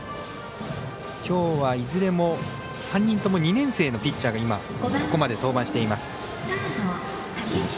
きょうは、いずれも３人とも２年生のピッチャーが今ここまで登板しています。